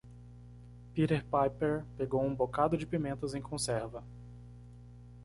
Peter Piper pegou um bocado de pimentas em conserva.